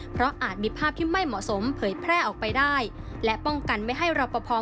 เพราะอาจมีภาพที่ไม่เหมาะสมเผยแพร่ออกไปได้และป้องกันไม่ให้รอปภ